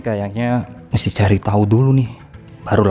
kalau kalau erract financial